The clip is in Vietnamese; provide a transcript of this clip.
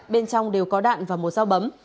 bên trong đều có đạn và một dao bấm